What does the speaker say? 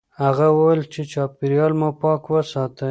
هغه وویل چې چاپیریال مو پاک وساتئ.